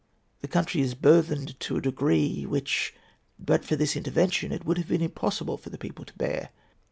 The country is burthened to a degree which, but for this intervention, it would have been impossible for the people to bear.